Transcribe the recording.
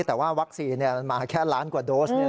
แต่ว่าวัคซีนมันมาแค่ล้านกว่าโดส